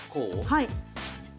はい。